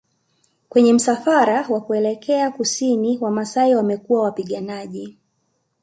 Kwenye msafara wa kuelekea Kusini Wamasai wamekuwa Wapiganaji